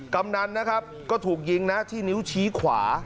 กำนันนะครับก็ถูกยิงนะที่นิ้วชี้ขวา